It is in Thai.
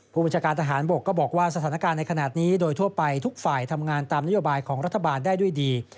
ผู้บัญชาการทหารบกก็บอกว่าสถานการณ์ในขณะนี้โดยทั่วไปทุกฝ่ายทำงานตามนโยบายของรัฐบาลได้ด้วยดี